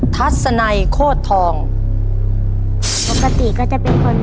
ปกติก็จะเป็นคน